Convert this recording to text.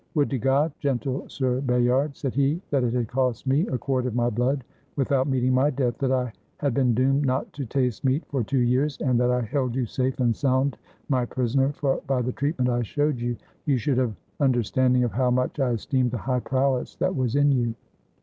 " Would to God, gentle Sir Bayard," said he, " that it had cost me a quart of my blood, without meeting my death, that I had been doomed not to taste meat for two years, and that I held you safe and sound my prisoner, for, by the treatment I showed you, you should have understand ing of how much I esteemed the high prowess that was in you."